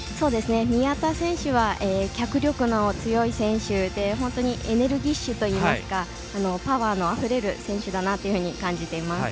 宮田選手は脚力の強い選手で、本当にエネルギッシュといいますかパワーのあふれる選手だなと感じています。